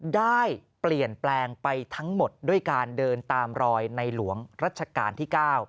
ได้เปลี่ยนแปลงไปทั้งหมดด้วยการเดินตามรอยในหลวงรัชกาลที่๙